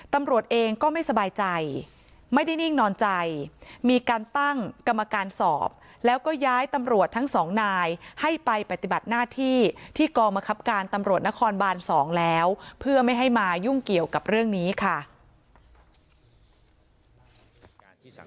ตำรวจเองก็ไม่สบายใจไม่ได้นิ่งนอนใจมีการตั้งกรรมการสอบแล้วก็ย้ายตำรวจทั้งสองนายให้ไปปฏิบัติหน้าที่ที่กองมะครับการตำรวจนครบาน๒แล้วเพื่อไม่ให้มายุ่งเกี่ยวกับเรื่องนี้ค่ะ